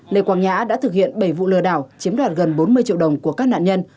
lê quang nhã đã thực hiện bảy vụ lừa đảo chiếm đoạt gần bốn mươi triệu đồng của các nạn nhân